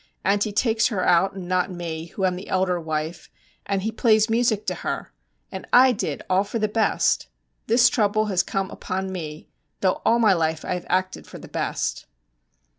And he takes her out and not me, who am the elder wife, and he plays music to her; and I did all for the best. This trouble has come upon me, though all my life I have acted for the best.'